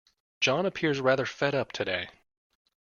John appears rather fed up today